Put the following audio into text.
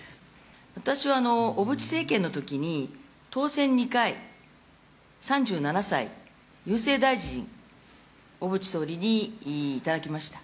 私は小渕政権のときに、当選２回、３７歳、郵政大臣、小渕総理にいただきました。